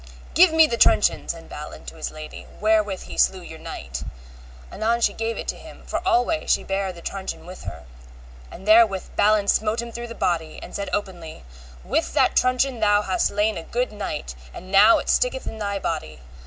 Give me the truncheon, said Balin to his lady, wherewith he slew your knight. Anon she gave it him, for alway she bare the truncheon with her. And therewith Balin smote him through the body, and said openly, With that truncheon thou hast slain a good knight, and now it sticketh in thy body.